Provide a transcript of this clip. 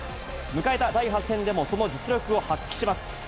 迎えた第８戦でもその実力を発揮します。